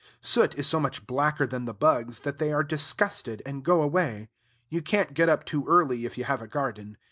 Soot is so much blacker than the bugs, that they are disgusted, and go away. You can't get up too early, if you have a garden.